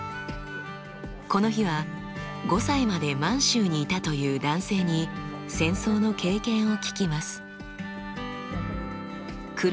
この日は５歳まで満州にいたという男性に戦争の経験を聞きます。